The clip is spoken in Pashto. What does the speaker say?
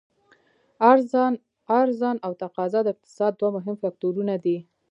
عرضا او تقاضا د اقتصاد دوه مهم فکتورونه دي.